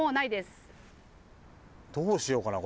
どうしようかな